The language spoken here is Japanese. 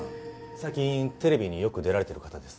最近テレビによく出られてる方です。